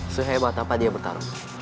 sehebat apa dia bertarung